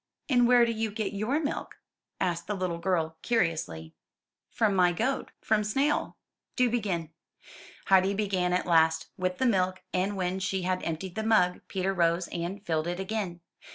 "And where do you get your milk?" asked the little girl curiously. 284 UP ONE PAIR OF STAIRS 'Trom my goat, from Snail. Do begin." Heidi began at last, with the milk; and when she had emptied the mug, Peter rose and filled it again.